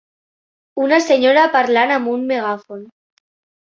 Una senyora parlant amb un megàfon.